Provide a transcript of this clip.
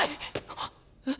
はっえっ？